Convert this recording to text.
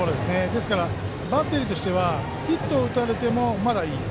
ですから、バッテリーとしてはヒットを打たれても、まだいい。